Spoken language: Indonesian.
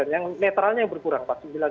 yang netralnya berkurang